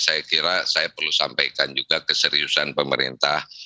saya kira saya perlu sampaikan juga keseriusan pemerintah